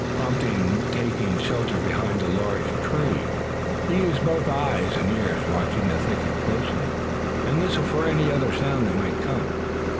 Promptly taking shelter behind a large tree, he used both eyes and ears, watching the thicket closely, and listening for any other sound that might come.